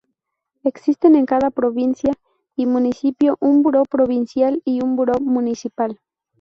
Existen en cada provincia y municipio un Buró Provincial y un Buró Municipal.